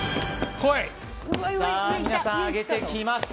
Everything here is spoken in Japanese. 皆さん上げてきました。